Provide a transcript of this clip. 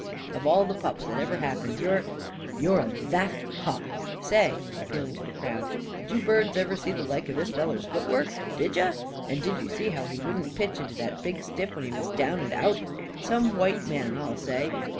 "Of all the pups that ever happened you're you're that pup! Say" appealing to the crowd "did you birds ever see the like of this feller's footwork? Did you? And did you see how he wouldn't pitch into that big stiff when he was down and out? Some white man, I'll say!